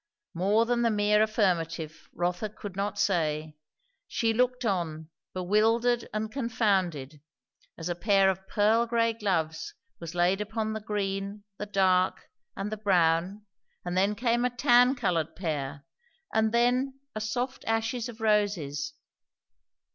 More than the mere affirmative Rotha could not say; she looked on bewildered and confounded, as a pair of pearl grey gloves was laid upon the green, the dark, and the brown, and then came a tan coloured pair, and then a soft ashes of roses.